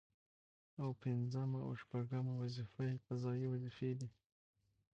او پنځمه او شپومه وظيفه يې قضايي وظيفي دي